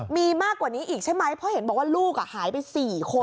มีมากกว่านี้อีกใช่ไหมเพราะเห็นบอกว่าลูกหายไป๔คน